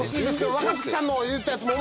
若槻さんの言ったやつも。